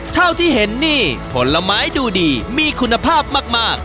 เท่าที่เห็นนี่ผลไม้ดูดีมีคุณภาพมาก